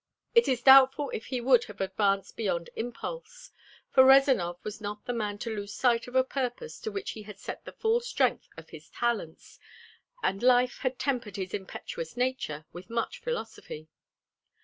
It is doubtful if he would have advanced beyond impulse, for Rezanov was not the man to lose sight of a purpose to which he had set the full strength of his talents, and life had tempered his impetuous nature with much philosophy.